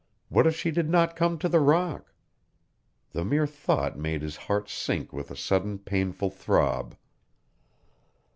What if she did not come to the rock? The mere thought made his heart sink with a sudden painful throb.